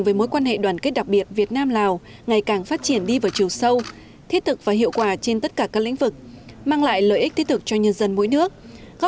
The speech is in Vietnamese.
về mối quan hệ đoàn kết đặc biệt việt nam lào ngày càng phát triển đi vào chiều sâu thiết thực và hiệu quả trên tất cả các lĩnh vực